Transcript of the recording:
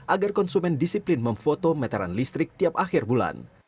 agar konsumen disiplin memfoto meteran listrik tiap akhir bulan